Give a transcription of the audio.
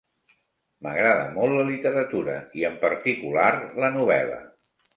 M'agrada molt la literatura i en particular la novel·la.